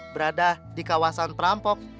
berada di kawasan perampok